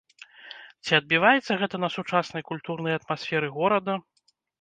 Ці адбіваецца гэта на сучаснай культурнай атмасферы горада?